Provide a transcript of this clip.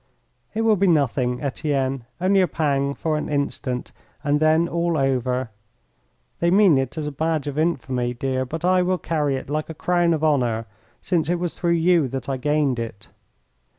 "It will be nothing, Etienne. Only a pang for an instant and then all over. They mean it as a badge of infamy, dear, but I will carry it like a crown of honour since it was through you that I gained it."